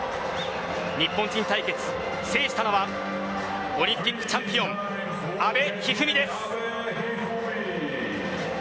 日本人対決、制したのはオリンピックチャンピオン阿部一二三です。